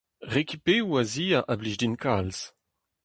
Rekipeoù Azia a blij din kalz.